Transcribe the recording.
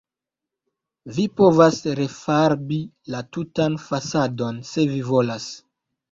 Vi povas refarbi la tutan fasadon, se vi volas.